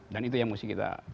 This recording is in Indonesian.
dan itu yang harus kita